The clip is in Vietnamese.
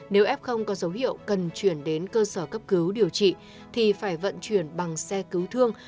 nếu f có dấu hiệu cần chuyển đến cơ sở cấp cứu điều trị thì phải vận chuyển bằng xe cứu thương